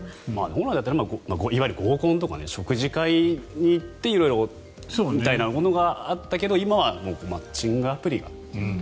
本来ならいわゆる合コンとか食事会に行って色々みたいなものがあったけど今はマッチングアプリが。